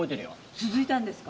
続いたんですか？